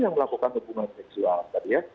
yang melakukan pembunuhan seksual tadi ya